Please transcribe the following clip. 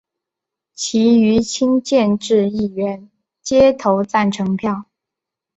其余亲建制议员皆投赞成票。